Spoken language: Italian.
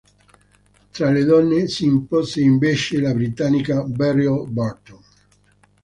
Tra le donne si impose invece la britannica Beryl Burton.